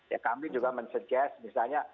ya kami juga men suggest misalnya